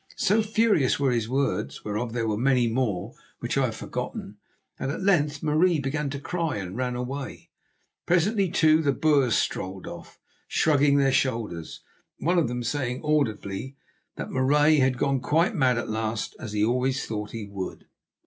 So furious were his words, whereof there were many more which I have forgotten, that at length Marie began to cry and ran away. Presently, too, the Boers strolled off, shrugging their shoulders, one of them saying audibly that Marais had gone quite mad at last, as he always thought he would.